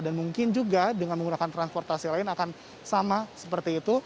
dan mungkin juga dengan menggunakan transportasi lain akan sama seperti itu